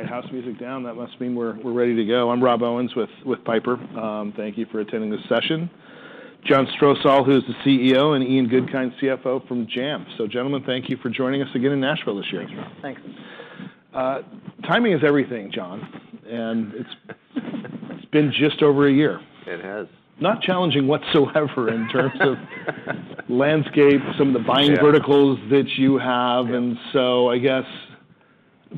All right, house music down. That must mean we're ready to go. I'm Rob Owens with Piper. Thank you for attending this session. John Strosahl, who's the CEO, and Ian Goodkind, CFO from Jamf. So gentlemen, thank you for joining us again in Nashville this year. Thanks, Rob. Thanks. Timing is everything, John, and it's been just over a year. It has. Not challenging whatsoever in terms of landscape, some of the buying verticals. Yeah that you have. Yeah. I guess,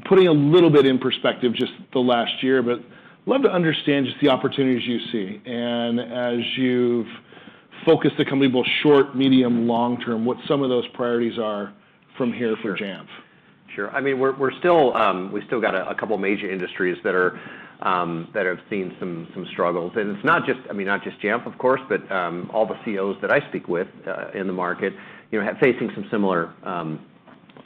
putting a little bit in perspective, just the last year, but love to understand just the opportunities you see. As you've focused the company, both short-, medium-, and long-term, what some of those priorities are from here for Jamf. Sure. I mean, we're still... we've still got a couple major industries that have seen some struggles. And it's not just, I mean, not just Jamf, of course, but all the CIOs that I speak with in the market, you know, are facing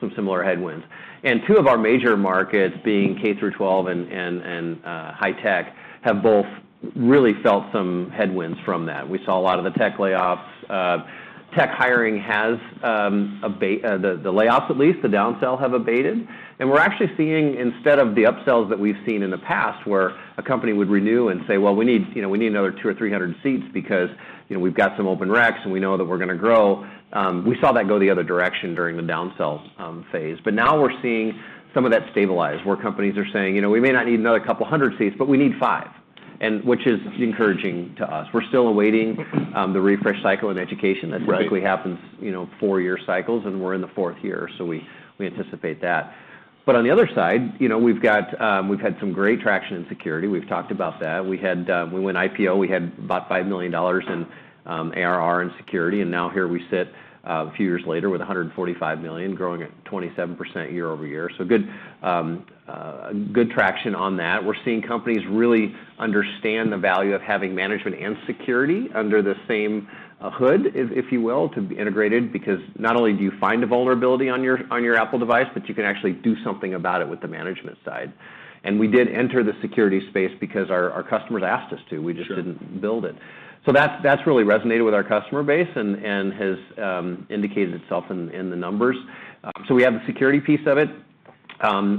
some similar headwinds. And two of our major markets, being K-12 and high tech, have both really felt some headwinds from that. We saw a lot of the tech layoffs. Tech hiring has abated, the layoffs, at least, the downsell have abated. And we're actually seeing, instead of the upsells that we've seen in the past, where a company would renew and say, "Well, we need, you know, we need another two or three hundred seats because, you know, we've got some open racks, and we know that we're going to grow." We saw that go the other direction during the downsell phase. But now we're seeing some of that stabilize, where companies are saying, "You know, we may not need another couple hundred seats, but we need five," and which is encouraging to us. We're still awaiting the refresh cycle in education. Right. That typically happens, you know, four-year cycles, and we're in the fourth year, so we anticipate that, but on the other side, you know, we've got, we've had some great traction in security. We've talked about that. We had, when we went IPO, we had about $5 million in ARR in security, and now here we sit, a few years later, with $145 million, growing at 27% year over year, so good traction on that. We're seeing companies really understand the value of having management and security under the same hood, if you will, to be integrated. Because not only do you find a vulnerability on your Apple device, but you can actually do something about it with the management side, and we did enter the security space because our customers asked us to. Sure. We just didn't build it, so that's really resonated with our customer base and has indicated itself in the numbers, so we have the security piece of it.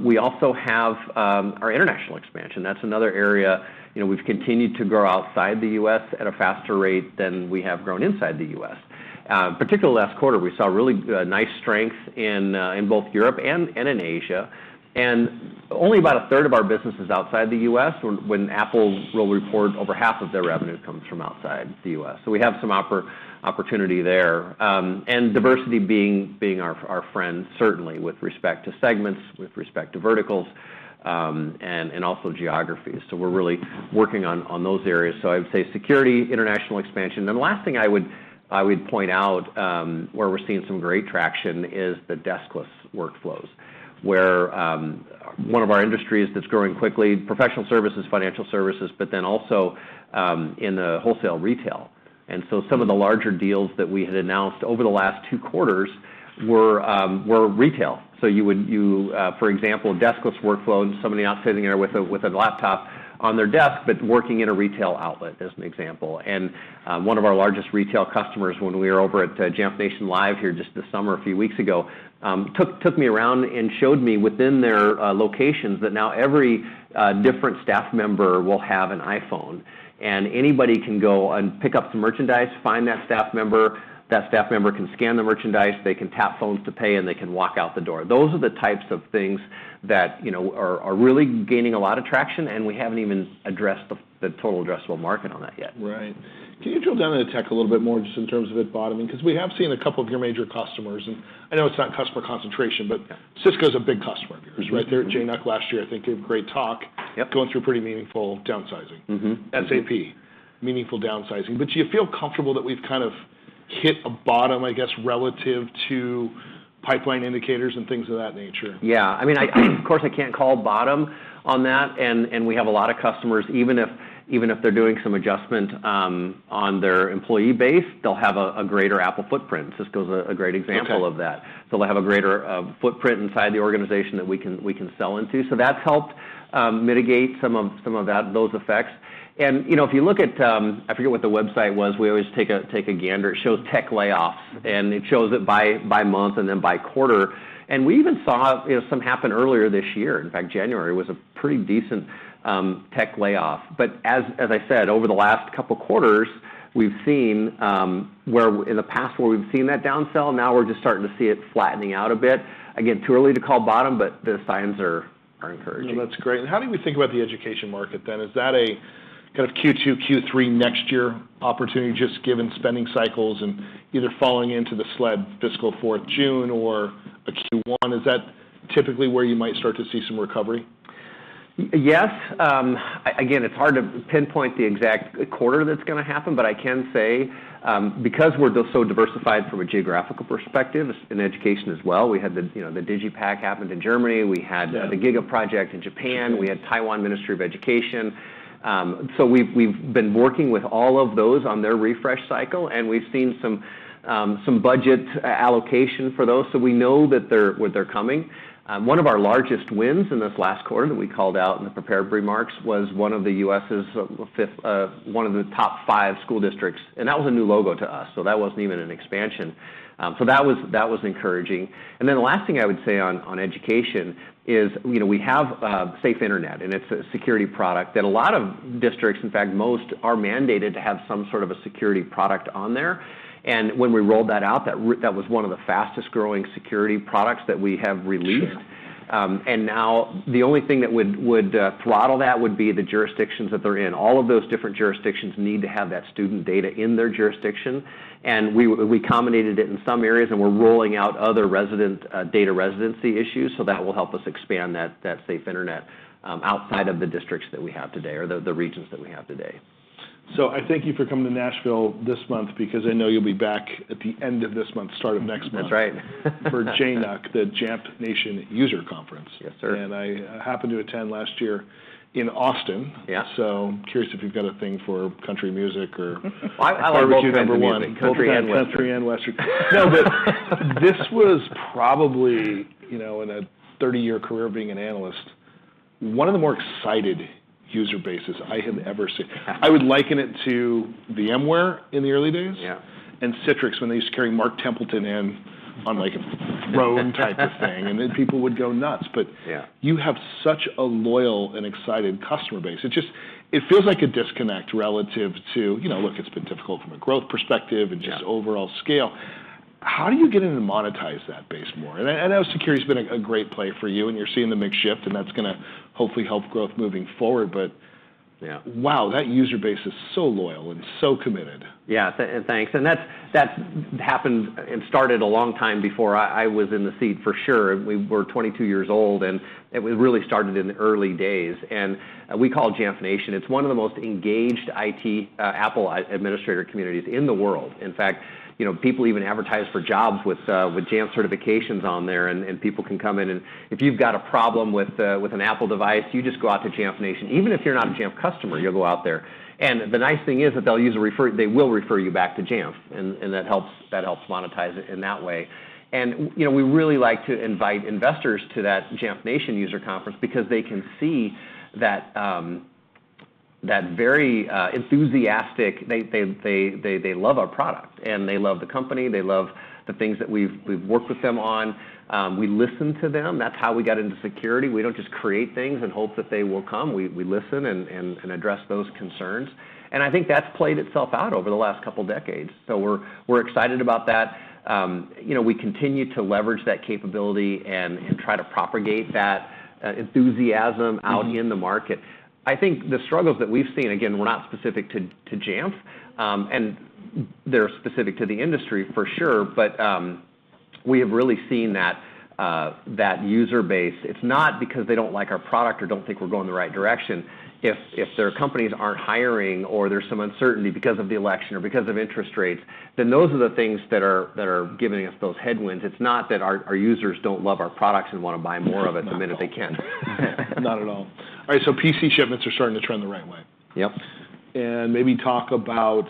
We also have our international expansion. That's another area. You know, we've continued to grow outside the U.S. at a faster rate than we have grown inside the U.S. Particularly last quarter, we saw really nice strength in both Europe and in Asia, and only about a third of our business is outside the U.S., when Apple will report over half of their revenue comes from outside the U.S. So we have some opportunity there, and diversity being our friend, certainly with respect to segments, with respect to verticals, and also geographies, so we're really working on those areas. So I would say security, international expansion. Then the last thing I would point out where we're seeing some great traction is the deskless workflows, where one of our industries that's growing quickly, professional services, financial services, but then also in the wholesale retail. And so some of the larger deals that we had announced over the last two quarters were retail. So you would, for example, deskless workflows, somebody out sitting there with a laptop on their desk, but working in a retail outlet, as an example. And one of our largest retail customers, when we were over at Jamf Nation Live here just this summer, a few weeks ago, took me around and showed me within their locations that now every different staff member will have an iPhone. Anybody can go and pick up some merchandise, find that staff member, that staff member can scan the merchandise, they can tap phones to pay, and they can walk out the door. Those are the types of things that, you know, are really gaining a lot of traction, and we haven't even addressed the total addressable market on that yet. Right. Can you drill down on the tech a little bit more, just in terms of it bottoming? Because we have seen a couple of your major customers, and I know it's not customer concentration- Yeah... but Cisco is a big customer of yours, right? Their JNUC last year, I think, gave a great talk. Yep. Going through pretty meaningful downsizing. SAP meaningful downsizing. But do you feel comfortable that we've kind of hit a bottom, I guess, relative to pipeline indicators and things of that nature? Yeah. I mean, of course, I can't call a bottom on that, and we have a lot of customers. Even if they're doing some adjustment on their employee base, they'll have a greater Apple footprint. Cisco is a great example- Okay... of that. They'll have a greater footprint inside the organization that we can sell into. So that's helped mitigate some of that, those effects. And, you know, if you look at... I forget what the website was. We always take a gander. It shows tech layoffs, and it shows it by month and then by quarter. And we even saw, you know, some happen earlier this year. In fact, January was a pretty decent tech layoff. But as I said, over the last couple of quarters, we've seen where in the past we've seen that downsell, now we're just starting to see it flattening out a bit. Again, too early to call bottom, but the signs are encouraging. No, that's great. And how do we think about the education market then? Is that a kind of Q2, Q3 next year opportunity, just given spending cycles and either falling into the end fiscal fourth June or a Q1? Is that typically where you might start to see some recovery? Yes. Again, it's hard to pinpoint the exact quarter that's going to happen, but I can say, because we're so diversified from a geographical perspective in education as well, we had the, you know, the DigiPak happened in Germany. Yeah. We had the GigaProject in Japan. Japan. We had Taiwan Ministry of Education. So we've been working with all of those on their refresh cycle, and we've seen some budget allocation for those, so we know that they're coming. One of our largest wins in this last quarter that we called out in the prepared remarks was one of the top five school districts, and that was a new logo to us, so that wasn't even an expansion. So that was encouraging. The last thing I would say on education is, you know, we have Safe Internet, and it's a security product that a lot of districts, in fact, most are mandated to have some sort of a security product on there. When we rolled that out, that was one of the fastest-growing security products that we have released. Now the only thing that would throttle that would be the jurisdictions that they're in. All of those different jurisdictions need to have that student data in their jurisdiction, and we combined it in some areas, and we're rolling out other residency data residency issues, so that will help us expand that safe internet outside of the districts that we have today or the regions that we have today. So I thank you for coming to Nashville this month, because I know you'll be back at the end of this month, start of next month. That's right. - for JNUC, the Jamf Nation User Conference. Yes, sir. I happened to attend last year in Austin. Yeah. So, curious if you've got a thing for country music or- Well, I like both kinds of music-... country number one. Both country and western. Country and western. No, but this was probably, you know, in a 30-year career of being an analyst, one of the more excited user bases I have ever seen. I would liken it to VMware in the early days- Yeah... and Citrix, when they used to carry Mark Templeton in on, like, a throne type of thing - and then people would go nuts. But- Yeah... you have such a loyal and excited customer base. It just, it feels like a disconnect relative to... You know, look, it's been difficult from a growth perspective- Yeah... and just overall scale. How do you get in and monetize that base more? And I know security's been a great play for you, and you're seeing the mix shift, and that's gonna hopefully help growth moving forward. But- Yeah... Wow, that user base is so loyal and so committed. Yeah, and thanks. And that's happened and started a long time before I was in the seat, for sure. We're 22 years old, and it was really started in the early days. And we call it Jamf Nation. It's one of the most engaged IT Apple administrator communities in the world. In fact, you know, people even advertise for jobs with Jamf certifications on there, and people can come in, and if you've got a problem with an Apple device, you just go out to Jamf Nation. Even if you're not a Jamf customer, you'll go out there. And the nice thing is that they will refer you back to Jamf, and that helps monetize it in that way. You know, we really like to invite investors to that Jamf Nation User Conference because they can see that very enthusiastic. They love our product, and they love the company. They love the things that we've worked with them on. We listen to them. That's how we got into security. We don't just create things and hope that they will come. We listen and address those concerns, and I think that's played itself out over the last couple decades. We're excited about that. You know, we continue to leverage that capability and try to propagate that enthusiasm.... out in the market. I think the struggles that we've seen, again, were not specific to Jamf, and they're specific to the industry, for sure, but we have really seen that user base. It's not because they don't like our product or don't think we're going the right direction. If their companies aren't hiring, or there's some uncertainty because of the election or because of interest rates, then those are the things that are giving us those headwinds. It's not that our users don't love our products and want to buy more of it the minute they can. Not at all. All right, so PC shipments are starting to trend the right way. Yep. And maybe talk about...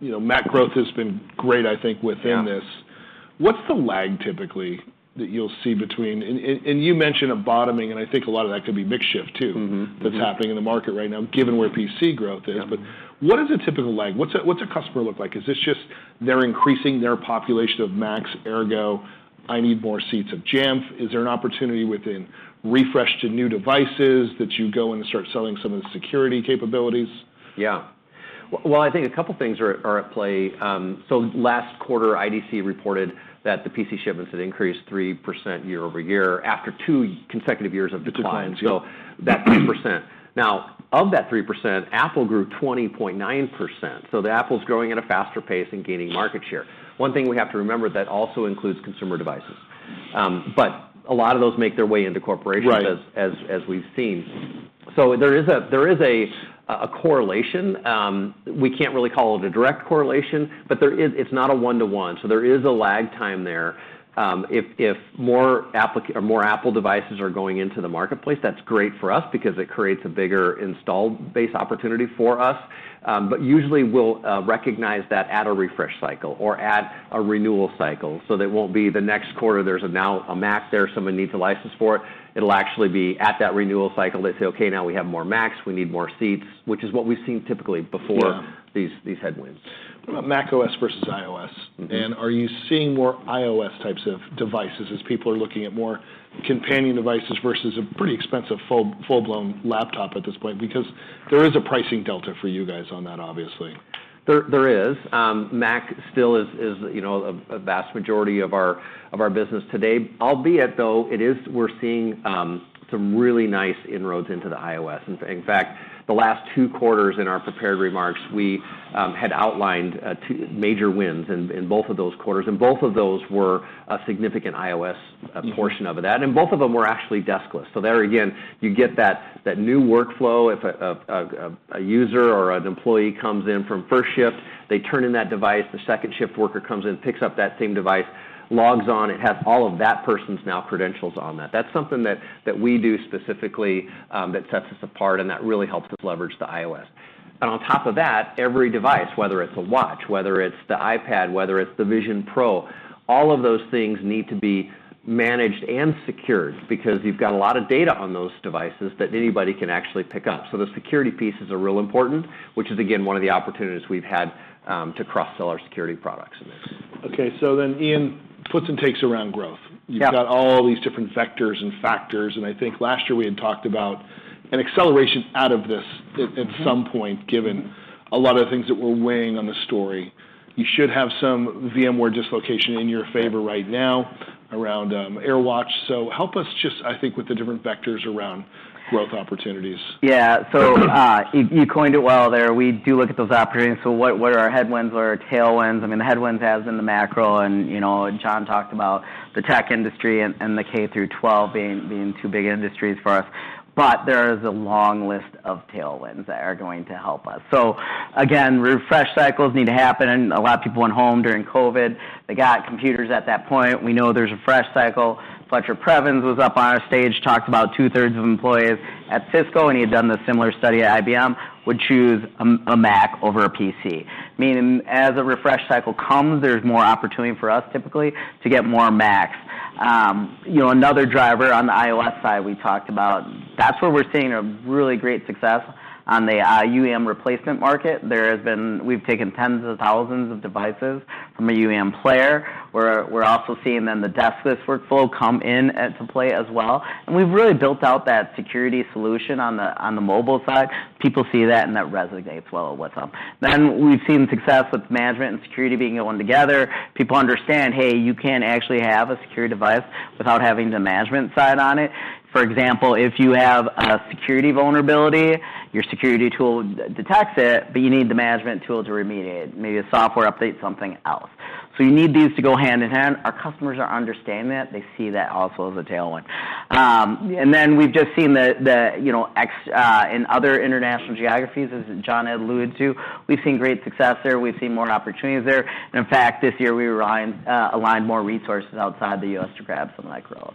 You know, Mac growth has been great, I think, within this. Yeah. What's the lag typically that you'll see between... And you mentioned a bottoming, and I think a lot of that could be mix shift, too-... that's happening in the market right now, given where PC growth is. Yeah. But what is a typical lag? What's a customer look like? Is this just they're increasing their population of Macs, ergo, I need more seats of Jamf? Is there an opportunity within refresh to new devices that you go in and start selling some of the security capabilities? Yeah. Well, I think a couple things are at play, so last quarter, IDC reported that the PC shipments had increased 3% year over year, after two consecutive years of decline. decline, yep. So that's 3%. Now, of that 3%, Apple grew 20.9%, so Apple's growing at a faster pace and gaining market share. One thing we have to remember, that also includes consumer devices. But a lot of those make their way into corporations- Right... we've seen. So there is a correlation. We can't really call it a direct correlation, but there is. It's not a one-to-one, so there is a lag time there. If more Apple devices are going into the marketplace, that's great for us because it creates a bigger installed base opportunity for us. But usually, we'll recognize that at a refresh cycle or at a renewal cycle. So it won't be the next quarter, there's now a Mac there, someone needs a license for it. It'll actually be at that renewal cycle. They say, "Okay, now we have more Macs, we need more seats," which is what we've seen typically before- Yeah... these headwinds. What about macOS versus iOS? Are you seeing more iOS types of devices as people are looking at more companion devices versus a pretty expensive full, full-blown laptop at this point? Because there is a pricing delta for you guys on that, obviously. There is. Mac still is, you know, a vast majority of our business today. Albeit, though, it is. We're seeing some really nice inroads into the iOS. In fact, the last two quarters in our prepared remarks, we had outlined two major wins in both of those quarters, and both of those were a significant iOS.... portion of that, and both of them were actually deskless. So there again, you get that new workflow. If a user or an employee comes in from first shift, they turn in that device, the second-shift worker comes in, picks up that same device, logs on, it has all of that person's no credentials on that. That's something that we do specifically that sets us apart, and that really helps us leverage the iOS. And on top of that, every device, whether it's a watch, whether it's the iPad, whether it's the Vision Pro, all of those things need to be managed and secured, because you've got a lot of data on those devices that anybody can actually pick up. So the security pieces are real important, which is, again, one of the opportunities we've had, to cross-sell our security products in this. Okay, so then, Ian, puts and takes around growth. Yeah. You've got all these different vectors and factors, and I think last year we had talked about an acceleration out of this at-... at some point, given a lot of the things that we're weighing on the story. You should have some VMware dislocation in your favor right now... around AirWatch. So help us just, I think, with the different vectors around growth opportunities. Yeah. So you coined it well there. We do look at those opportunities. So what are our headwinds or our tailwinds? I mean, the headwinds, as in the macro, and, you know, John talked about the tech industry and the K through twelve being two big industries for us. But there is a long list of tailwinds that are going to help us. So again, refresh cycles need to happen, and a lot of people went home during COVID. They got computers at that point. We know there's a refresh cycle. Fletcher Previn was up on our stage and talked about two-thirds of employees at Cisco, and he had done the similar study at IBM, would choose a Mac over a PC. Meaning, as a refresh cycle comes, there's more opportunity for us typically to get more Macs. You know, another driver on the iOS side we talked about, that's where we're seeing a really great success on the UM replacement market. We've taken tens of thousands of devices from a UM player, where we're also seeing then the deskless workflow come in to play as well, and we've really built out that security solution on the mobile side. People see that, and that resonates well with them. Then we've seen success with management and security being one together. People understand, hey, you can't actually have a secure device without having the management side on it. For example, if you have a security vulnerability, your security tool detects it, but you need the management tool to remediate. Maybe a software update, something else. So you need these to go hand-in-hand. Our customers are understanding that. They see that also as a tailwind. And then we've just seen the expansion, you know, in other international geographies, as John had alluded to, we've seen great success there. We've seen more opportunities there. And in fact, this year, we aligned more resources outside the US to grab some of that growth.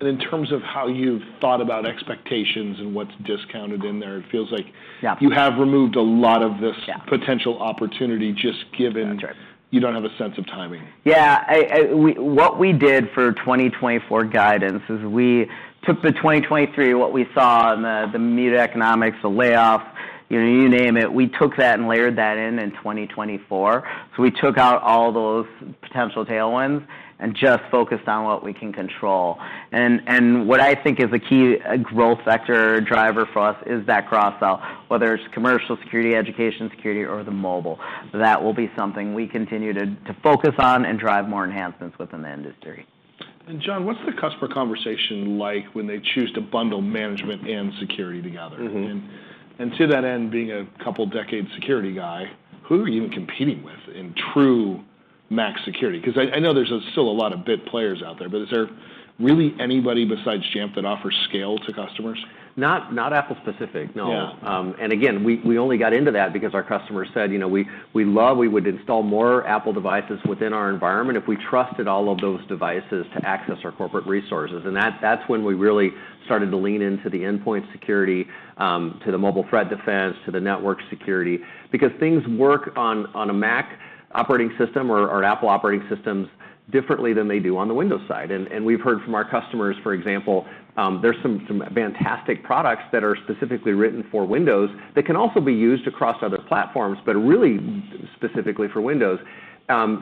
In terms of how you've thought about expectations and what's discounted in there, it feels like- Yeah... you have removed a lot of this. Yeah potential opportunity, just given That's right. You don't have a sense of timing. Yeah, I, we—what we did for 2024 guidance is we took the 2023, what we saw in the macro economics, the layoffs, you know, you name it, we took that and layered that in 2024. So we took out all those potential tailwinds and just focused on what we can control. And what I think is a key growth vector driver for us is that cross-sell, whether it's commercial security, education security, or the mobile. That will be something we continue to focus on and drive more enhancements within the industry. John, what's the customer conversation like when they choose to bundle management and security together? To that end, being a couple of decades security guy, who are you even competing with in true Mac security? Because I know there's still a lot of bit players out there, but is there really anybody besides Jamf that offers scale to customers? Not, not Apple-specific, no. Yeah. And again, we only got into that because our customers said, "You know, we love... We would install more Apple devices within our environment if we trusted all of those devices to access our corporate resources." And that's when we really started to lean into the endpoint security, to the mobile threat defense, to the network security, because things work on a Mac operating system or Apple operating systems differently than they do on the Windows side. And we've heard from our customers, for example, there's some fantastic products that are specifically written for Windows that can also be used across other platforms, but really specifically for Windows.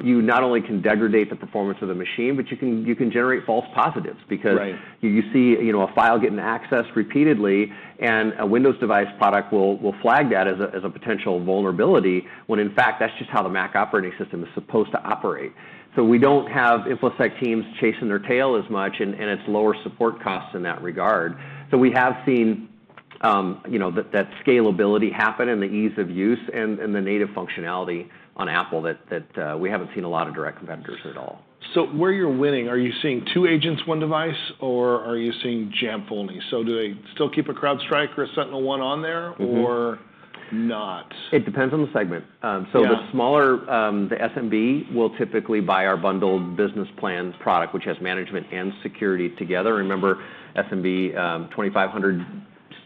You not only can degrade the performance of the machine, but you can generate false positives, because- Right... you see, you know, a file getting accessed repeatedly, and a Windows device product will flag that as a potential vulnerability, when in fact, that's just how the Mac operating system is supposed to operate. So we don't have Infosec teams chasing their tail as much, and it's lower support costs in that regard. So we have seen, you know, that scalability happen and the ease of use and the native functionality on Apple that we haven't seen a lot of direct vendors at all. So where you're winning, are you seeing two agents, one device, or are you seeing Jamf only? So do they still keep a CrowdStrike or a SentinelOne on there-... or not? It depends on the segment. Yeah... so the smaller, the SMB will typically buy our bundled business plans product, which has management and security together. Remember, SMB, 2,500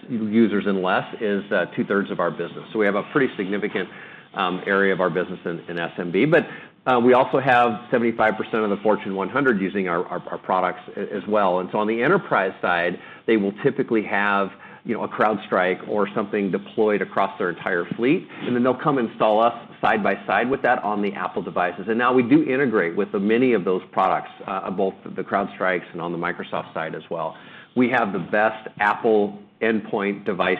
users and less, is two-thirds of our business. We have a pretty significant area of our business in SMB. But we also have 75% of the Fortune 100 using our products as well. And so on the enterprise side, they will typically have, you know, a CrowdStrike or something deployed across their entire fleet, and then they'll come install us side by side with that on the Apple devices. And now we do integrate with many of those products, both the CrowdStrikes and on the Microsoft side as well. We have the best Apple endpoint device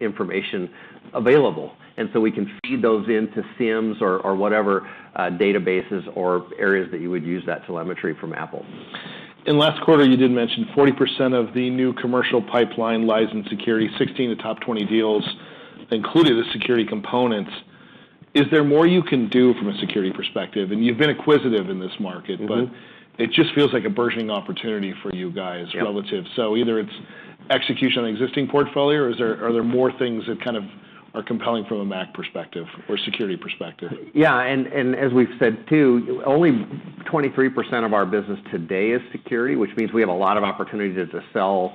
information available, and so we can feed those into SIMs or whatever, databases or areas that you would use that telemetry from Apple. In last quarter, you did mention 40% of the new commercial pipeline lies in security. 16 of the top 20 deals included a security component. Is there more you can do from a security perspective? And you've been acquisitive in this market-... but it just feels like a burgeoning opportunity for you guys- Yeah... relative. So either it's execution on existing portfolio, or are there more things that kind of are compelling from a Mac perspective or security perspective? Yeah, and as we've said, too, only 23% of our business today is security, which means we have a lot of opportunity to upsell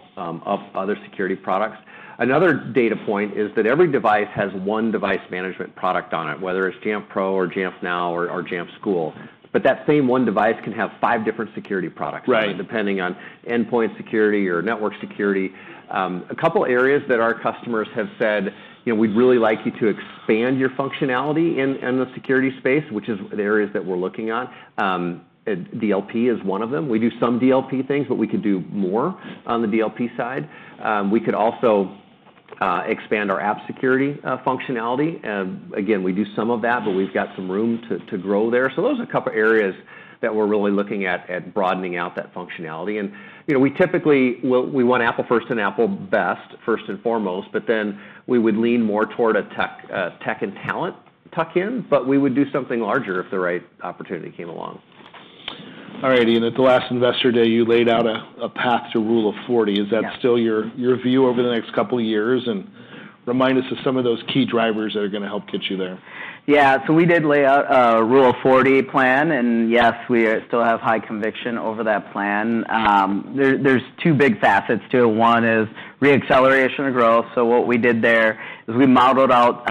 other security products. Another data point is that every device has one device management product on it, whether it's Jamf Pro or Jamf Now, or Jamf School. But that same one device can have five different security products- Right... depending on endpoint security or network security. A couple of areas that our customers have said, "You know, we'd really like you to expand your functionality in, in the security space," which is the areas that we're looking at. DLP is one of them. We do some DLP things, but we could do more on the DLP side. We could also expand our app security functionality. Again, we do some of that, but we've got some room to, to grow there. So those are a couple of areas that we're really looking at, at broadening out that functionality. And, you know, we typically well, we want Apple first and Apple best, first and foremost, but then we would lean more toward a tech tech and talent tuck-in, but we would do something larger if the right opportunity came along. All right, Ian, at the last Investor Day, you laid out a path to Rule of 40. Yeah. Is that still your view over the next couple of years? And remind us of some of those key drivers that are going to help get you there. Yeah, so we did lay out a Rule of 40 plan, and yes, we still have high conviction over that plan. There, there's two big facets to it. One is reacceleration of growth. So what we did there is we modeled out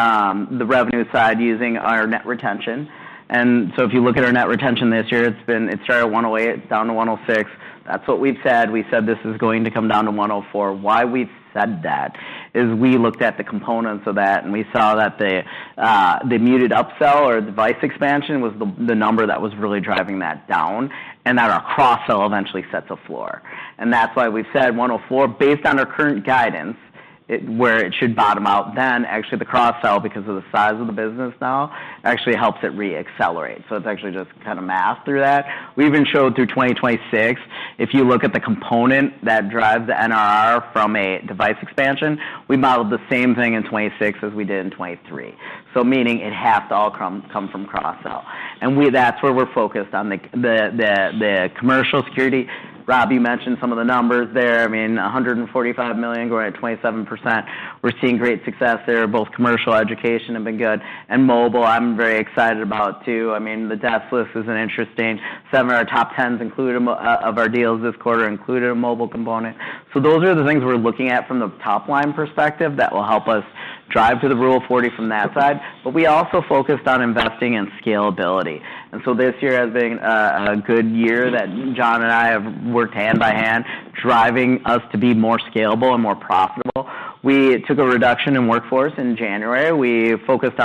the revenue side using our net retention. And so if you look at our net retention this year, it's been. It started at 108, down to 106. That's what we've said. We said this is going to come down to 104. Why we've said that is we looked at the components of that, and we saw that the muted upsell or device expansion was the number that was really driving that down, and that our cross-sell eventually sets a floor. And that's why we've said 104, based on our current guidance, where it should bottom out. Then actually, the cross-sell, because of the size of the business now, actually helps it reaccelerate. So it's actually just kind of math through that. We even showed through 2026, if you look at the component that drives the NRR from a device expansion, we modeled the same thing in 2026 as we did in 2023. So meaning, it has to all come from cross-sell. And that's where we're focused on the commercial security. Rob, you mentioned some of the numbers there. I mean, $145 million, growing at 27%. We're seeing great success there. Both commercial education have been good, and mobile, I'm very excited about, too. I mean, the deskless is an interesting... Seven of our top ten deals this quarter included a mobile component. So those are the things we're looking at from the top-line perspective that will help us drive to the Rule of 40 from that side. But we also focused on investing in scalability. And so this year has been a good year that John and I have worked hand in hand, driving us to be more scalable and more profitable. We took a reduction in workforce in January. We focused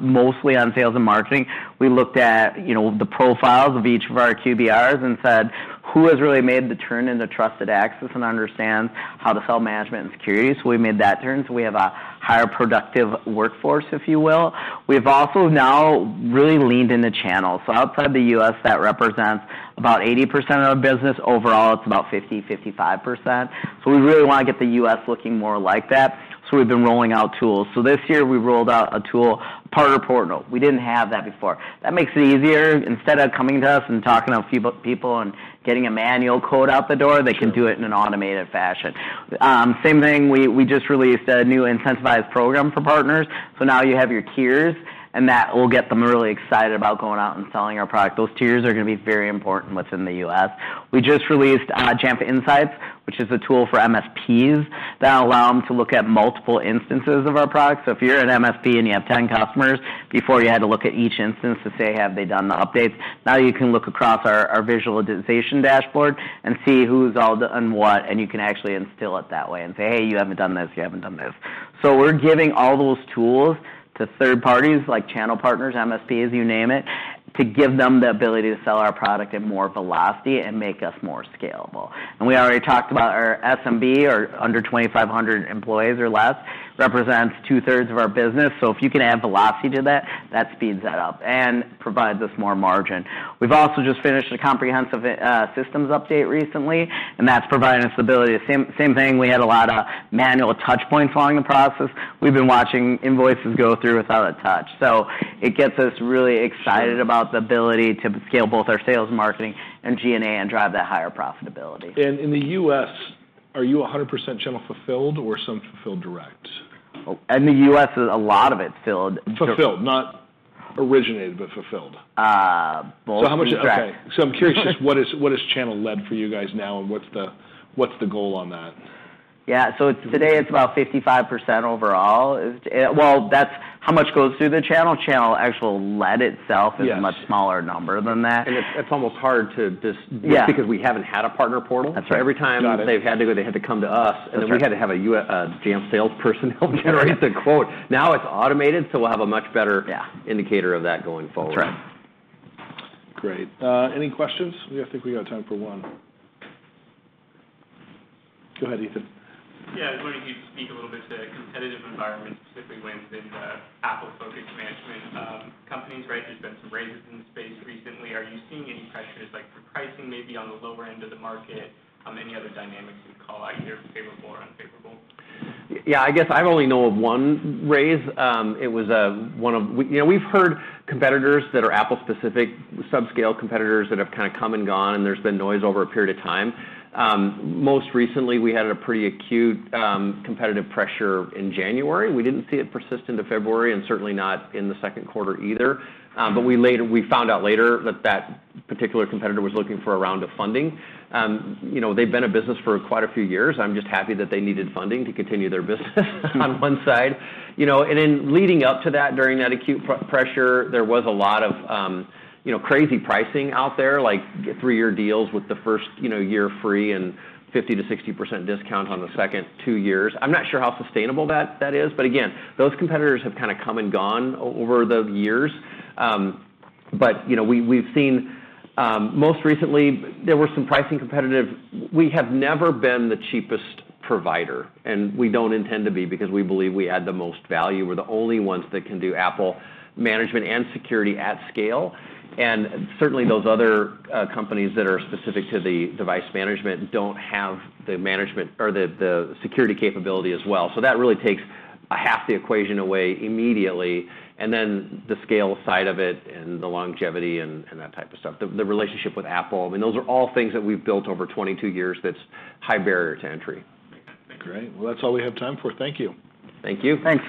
mostly on sales and marketing. We looked at, you know, the profiles of each of our QBRs and said, "Who has really made the turn into trusted access and understands how to sell management and security?" So we made that turn, so we have a higher productive workforce, if you will. We've also now really leaned into channels. So outside of the U.S., that represents about 80% of our business. Overall, it's about 50%-55%. So we really want to get the U.S. looking more like that. So we've been rolling out tools. So this year, we rolled out a tool, Partner Portal. We didn't have that before. That makes it easier. Instead of coming to us and talking to a few people and getting a manual code out the door- Sure... they can do it in an automated fashion. Same thing, we just released a new intensified program for partners. So now you have your tiers, and that will get them really excited about going out and selling our product. Those tiers are going to be very important within the U.S. We just released Jamf Insights, which is a tool for MSPs that allow them to look at multiple instances of our product. So if you're an MSP and you have ten customers, before you had to look at each instance to say, "Have they done the updates?" Now, you can look across our, our visualization dashboard and see who's all done what, and you can actually instill it that way and say, "Hey, you haven't done this, you haven't done this." We're giving all those tools to third parties, like channel partners, MSPs, you name it, to give them the ability to sell our product at more velocity and make us more scalable. We already talked about our SMB, or under 2,500 employees or less, represents two-thirds of our business. If you can add velocity to that, that speeds that up and provides us more margin. We've also just finished a comprehensive systems update recently, and that's providing us the ability to... Same, same thing, we had a lot of manual touchpoints along the process. We've been watching invoices go through without a touch. So it gets us really excited. Sure... about the ability to scale both our sales, marketing, and G&A, and drive that higher profitability. In the U.S., are you 100% channel fulfilled or some fulfilled direct? In the U.S., a lot of it's filled. Fulfilled. Not originated, but fulfilled. Uh, both- So how much... Okay. So I'm curious, what is channel led for you guys now, and what's the goal on that? Yeah. So today, it's about 55% overall. That's how much goes through the channel. Channel actual led itself- Yes... is a much smaller number than that. It's almost hard to just- Yeah... because we haven't had a Partner Portal. That's right. Every time- Got it... they've had to go, they had to come to us- That's right... and we had to have a Jamf salesperson help generate the quote. Now, it's automated, so we'll have a much better- Yeah... indicator of that going forward. That's right. Great. Any questions? Yeah, I think we got time for one. Go ahead, Ethan. Yeah, I was wondering if you'd speak a little bit to the competitive environment, specifically within the Apple-focused management companies, right? There's been some raises in the space recently. Are you seeing any pressures, like for pricing, maybe on the lower end of the market, any other dynamics you'd call out, either favorable or unfavorable? Yeah, I guess I only know of one raise. It was. You know, we've heard competitors that are Apple-specific, sub-scale competitors that have kind of come and gone, and there's been noise over a period of time. Most recently, we had a pretty acute competitive pressure in January. We didn't see it persist into February and certainly not in the second quarter either. But we later found out later that that particular competitor was looking for a round of funding. You know, they've been in business for quite a few years. I'm just happy that they needed funding to continue their business, on one side. You know, and then leading up to that, during that acute pressure, there was a lot of, you know, crazy pricing out there, like three-year deals with the first, you know, year free and 50%-60% discount on the second two years. I'm not sure how sustainable that is, but again, those competitors have kind of come and gone over the years. But, you know, we've seen. Most recently, there were some pricing competitive. We have never been the cheapest provider, and we don't intend to be, because we believe we add the most value. We're the only ones that can do Apple management and security at scale. And certainly, those other companies that are specific to the device management don't have the management or the security capability as well. So that really takes half the equation away immediately, and then the scale side of it and the longevity and that type of stuff, the relationship with Apple, I mean, those are all things that we've built over 22 years that's high barrier to entry. Great. Well, that's all we have time for. Thank you. Thank you. Thanks.